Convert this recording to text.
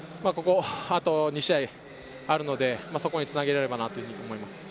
あと２試合あるので、そこにつなげられればと思います。